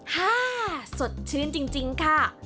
ฮ่าสดชื่นจริงค่ะ